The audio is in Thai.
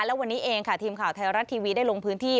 และวันนี้เองค่ะทีมข่าวไทยรัฐทีวีได้ลงพื้นที่